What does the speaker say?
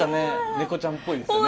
猫ちゃんっぽいんですよね。